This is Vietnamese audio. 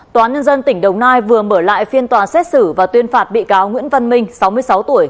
tòa nhân dân tỉnh đồng nai vừa mở lại phiên tòa xét xử và tuyên phạt bị cáo nguyễn văn minh sáu mươi sáu tuổi